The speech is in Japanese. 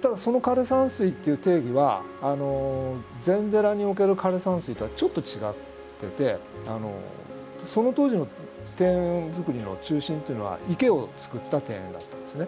ただその枯山水っていう定義は禅寺における枯山水とはちょっと違っててその当時の庭園づくりの中心っていうのは池をつくった庭園だったんですね。